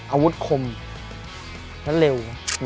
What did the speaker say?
อาวุธคมและเร็ว